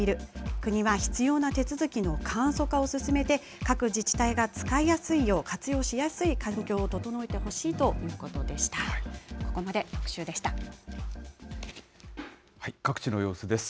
国は必要な手続きの簡素化を進めて、各自治体が使いやすいよう、活用しやすい環境を整えてほしいということでした。